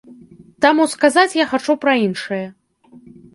Таму сказаць я хачу пра іншае.